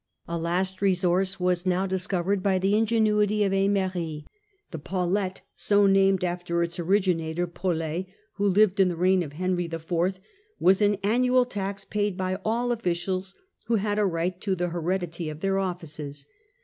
A last resource was now discovered by the ingenuity of fernery. The * Paulette,' so named after its originator, The Paulet, who lived in the reign of Henry IV., 'Paulette.' was an annual tax paid by all officials who had a right to the heredity of their offices.